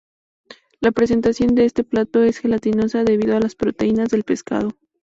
La presentación de este plato es gelatinosa debido a las proteínas del pescado.